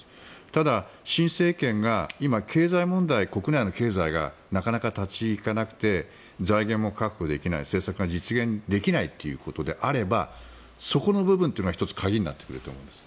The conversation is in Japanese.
ただ、新政権が今、経済問題国内の経済がなかなか立ち行かなくて財源も確保できない政策が実現できないということであればそこの部分というのは１つ鍵になってくると思います。